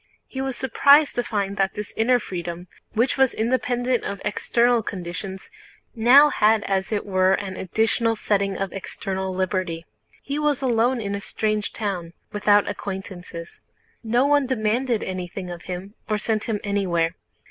He was surprised to find that this inner freedom, which was independent of external conditions, now had as it were an additional setting of external liberty. He was alone in a strange town, without acquaintances. No one demanded anything of him or sent him anywhere.